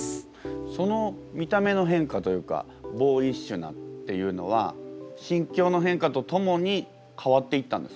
その見た目の変化というかボーイッシュなっていうのは心境の変化とともに変わっていったんですか？